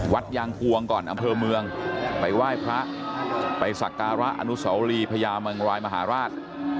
ยางพวงก่อนอำเภอเมืองไปไหว้พระไปสักการะอนุสวรีพญาเมืองรายมหาราช